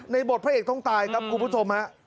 บทพระเอกต้องตายครับคุณผู้ชมฮะ